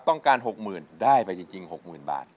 ต้องการ๖๐๐๐ได้ไปจริง๖๐๐๐บาท